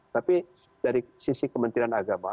tapi dari sisi kementerian agama